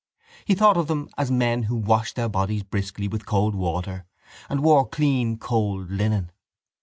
He thought of them as men who washed their bodies briskly with cold water and wore clean cold linen.